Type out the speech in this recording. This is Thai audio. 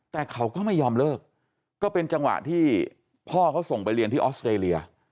แต่เขาก็ไม่ยอมเลิกก็เป็นจังหวะที่พ่อเขาส่งไปเรียนที่ออสเตรเลีย